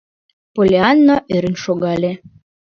Поллианна ӧрын шогале: